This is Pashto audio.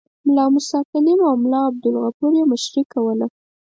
ملا موسی کلیم او ملا عبدالغفور یې مشري کوله.